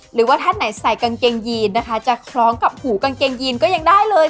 หรือว่าท่านไหนใส่กางเกงยีนนะคะจะคล้องกับหูกางเกงยีนก็ยังได้เลย